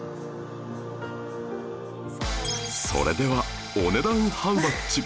それではお値段ハウマッチ？